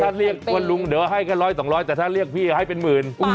ถ้าเรียกว่าลุงเดี๋ยวให้แค่๑๐๐๒๐๐แต่ถ้าเรียกพี่ให้เป็นหมื่น